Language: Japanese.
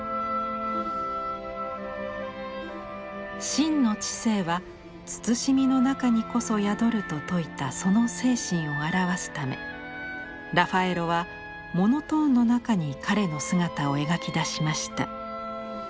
「真の知性は慎みの中にこそ宿る」と説いたその精神を表すためラファエロはモノトーンの中に彼の姿を描き出しました。